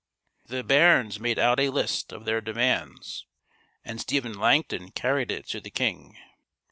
The barons made out a list of their demands; and Stephen Langton carried it to the king.